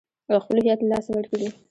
او خپل هويت له لاسه ور کړي .